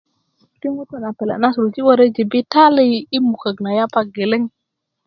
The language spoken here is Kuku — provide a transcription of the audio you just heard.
ti ŋutu na pele na suluji tu jibitali i mukök na yapa geleŋ